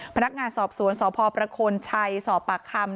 พนักงานสอบสวนสพประโคนชัยสอบปากคำ